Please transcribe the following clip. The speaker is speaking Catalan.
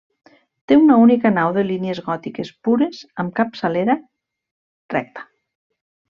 Té una única nau de línies gòtiques pures amb capçalera recta.